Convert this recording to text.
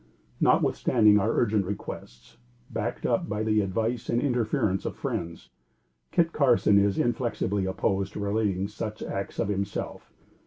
Notwithstanding our urgent requests, backed up by the advice and interference of friends, Kit Carson is inflexibly opposed to relating such acts of himself.